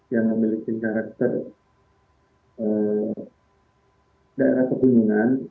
yang memiliki karakter daerah pegunungan